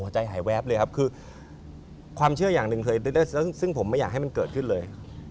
ใจหายแวบเลยครับคือความเชื่ออย่างหนึ่งเคยได้ซึ่งผมไม่อยากให้มันเกิดขึ้นเลย